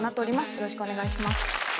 よろしくお願いします。